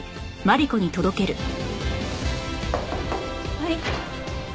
はい。